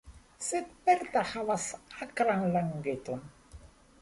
Sed Berta havas akran langeton.